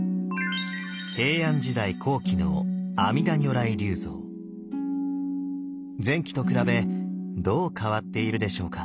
平安時代後期の前期と比べどう変わっているでしょうか？